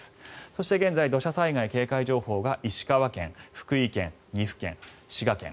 そして現在、土砂災害警戒情報が石川県、福井県、岐阜県、滋賀県